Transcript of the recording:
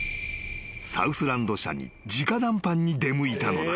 サウスランド社に直談判に出向いたのだ］